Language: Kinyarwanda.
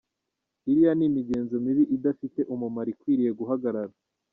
Iriya ni imigenzo mibi idafite umumaro ikwiye guhagarara.